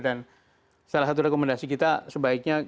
dan salah satu rekomendasi kita sebaiknya